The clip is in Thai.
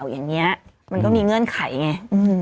อย่างนี้มันก็มีเงื่อนไขไง